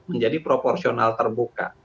menjadi proporsional terbuka